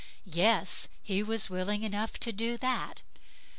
Yes! he was willing enough to do that.